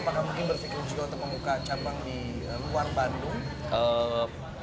bisa berpikir juga untuk membuka cabang di luar bandung